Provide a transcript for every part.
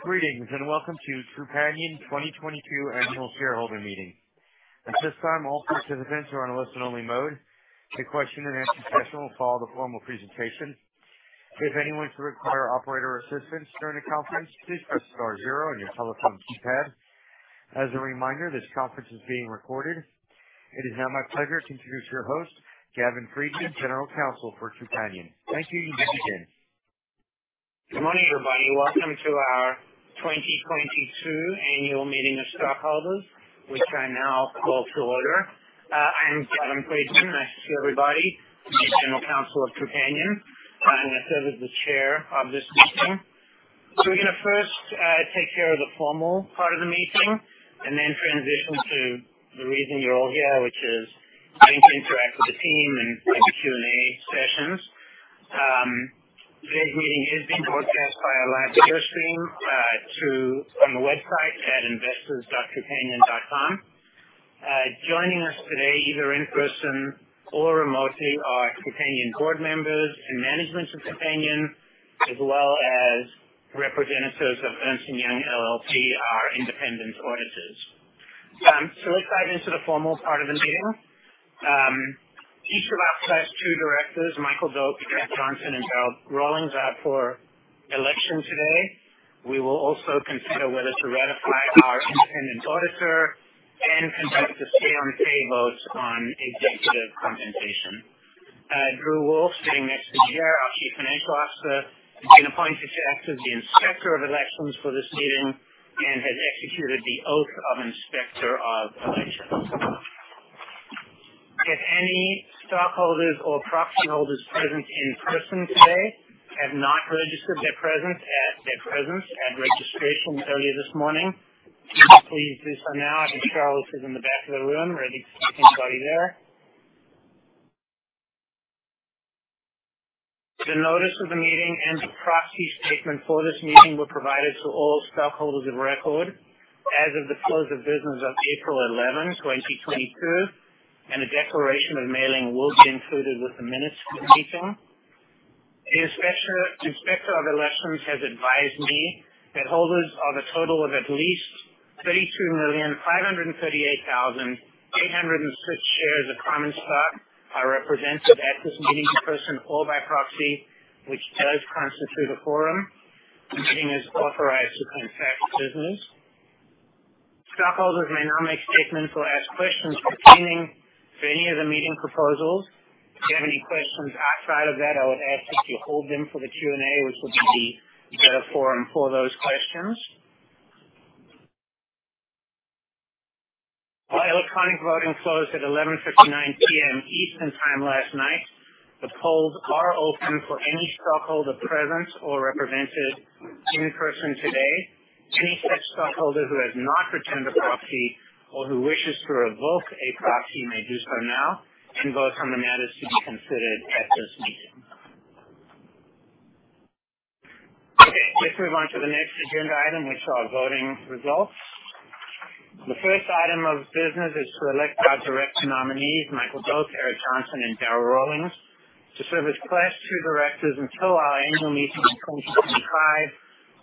Greetings and welcome to Trupanion 2022 Annual Shareholder Meeting. At this time, all participants are on a listen-only mode. The question-and-answer session will follow the formal presentation. If anyone should require operator assistance during the conference, please press star zero on your telephone keypad. As a reminder, this conference is being recorded. It is now my pleasure to introduce your host, Gavin Friedman, General Counsel for Trupanion. Thank you, you may begin. Good morning, everybody. Welcome to our 2022 Annual Meeting of Stockholders, which I now call to order. I am Gavin Friedman, nice to see everybody. I'm the General Counsel of Trupanion. I serve as the chair of this meeting. So we're going to first take care of the formal part of the meeting and then transition to the reason you're all here, which is getting to interact with the team and have Q&A sessions. Today's meeting is being broadcast via live video stream through on the website at investors.trupanion.com. Joining us today, either in person or remotely, are Trupanion board members and management of Trupanion, as well as representatives of Ernst & Young LLP, our independent auditors. So let's dive into the formal part of the meeting. Each of our first two directors, Michael Doak and Erik Johnson, are up for election today. We will also consider whether to ratify our independent auditor and conduct a Say-on-Pay vote on executive compensation. Drew Wolff, sitting next to Jerry, our Chief Financial Officer, has been appointed to act as the Inspector of Elections for this meeting and has executed the oath of Inspector of Elections. If any stockholders or proxy holders present in person today have not registered their presence at registration earlier this morning, please do so now. I think Charlotte is in the back of the room. Ready to speak to anybody there. The notice of the meeting and the proxy statement for this meeting were provided to all stockholders of record as of the close of business of April 11, 2022, and a declaration of mailing will be included with the minutes of the meeting. The Inspector of Elections has advised me that holders of a total of at least 32,538,806 shares of common stock are represented at this meeting in person or by proxy, which does constitute a quorum. The meeting is authorized to transact business. Stockholders may now make statements or ask questions pertaining to any of the meeting proposals. If you have any questions outside of that, I would ask you to hold them for the Q&A, which would be the better forum for those questions. While electronic voting closed at 11:59 P.M. Eastern Time last night, the polls are open for any stockholder present or represented in person today. Any such stockholder who has not returned a proxy or who wishes to revoke a proxy may do so now and vote on the matters to be considered at this meeting. Okay, let's move on to the next agenda item, which are voting results. The first item of business is to elect our director nominees, Michael Doak, Eric Johnson, and Darryl Rawlings, to serve as Class II directors until our annual meeting in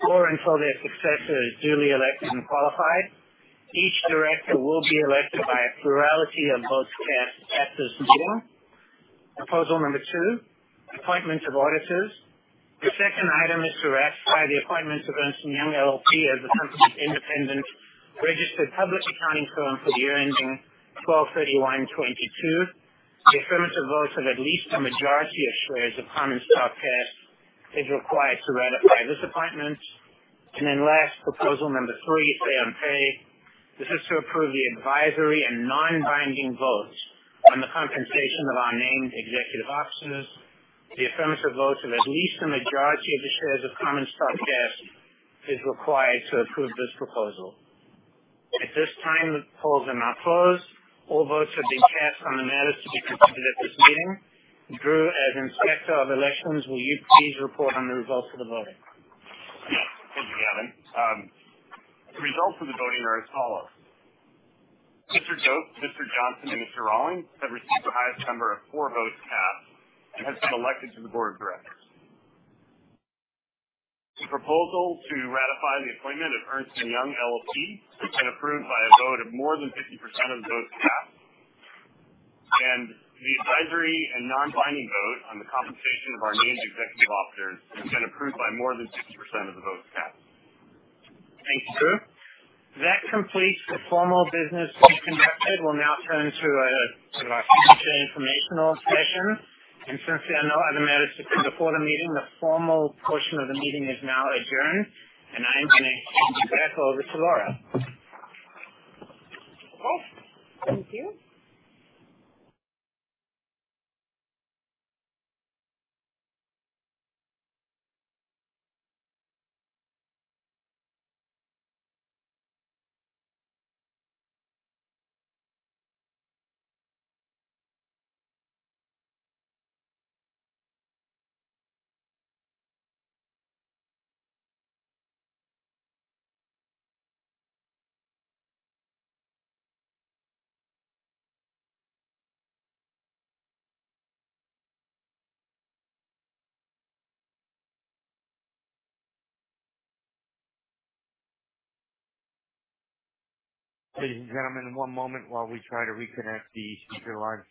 2025 or until their successor is duly elected and qualified. Each director will be elected by a plurality of votes cast at this meeting. Proposal number two, appointment of auditors. The second item is to ratify the appointment of Ernst & Young LLP as the company's independent registered public accounting firm for the year ending 12/31/2022. The affirmative vote of at least a majority of shares of common stock cast is required to ratify this appointment. And then last, proposal number three, Say-on-Pay. This is to approve the advisory and non-binding vote on the compensation of our named executive officers. The affirmative vote of at least a majority of the shares of common stock cast is required to approve this proposal. At this time, the polls are now closed. All votes have been cast on the matters to be considered at this meeting. Drew, as Inspector of Elections, will you please report on the results of the voting? Yes, thank you, Gavin. The results of the voting are as follows. Mr. Doak, Mr. Johnson, and Mr. Rawlings have received the highest number of for votes cast and have been elected to the Board of Directors. The proposal to ratify the appointment of Ernst & Young LLP has been approved by a vote of more than 50% of the votes cast, and the advisory and non-binding vote on the compensation of our named executive officers has been approved by more than 50% of the votes cast. Thank you, Drew. That completes the formal business we conducted. We'll now turn to our future informational session. And since there are no other matters to do before the meeting, the formal portion of the meeting is now adjourned, and I am going to hand you back over to Laura. Okay, thank you. Ladies and gentlemen, one moment while we try to reconnect the speaker line.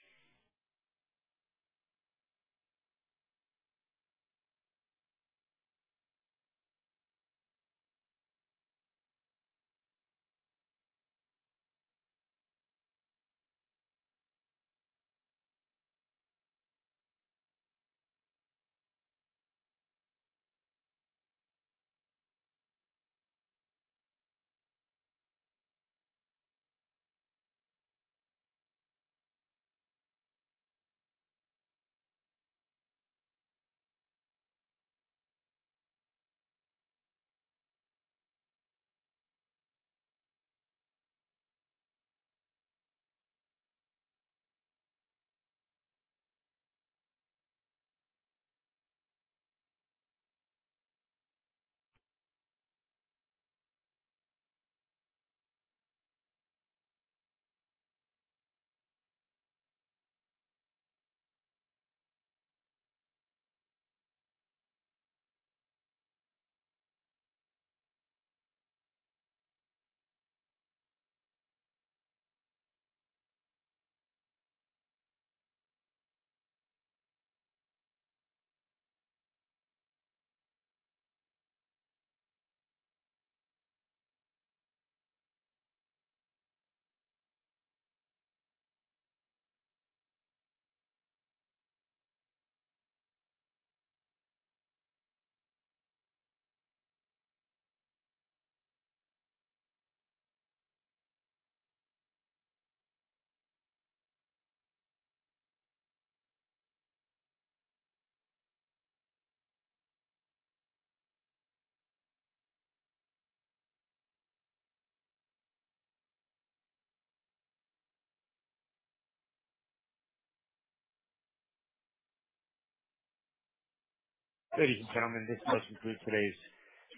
Ladies and gentlemen, this does conclude today's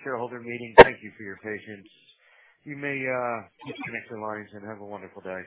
shareholder meeting. Thank you for your patience. You may disconnect the lines and have a wonderful day.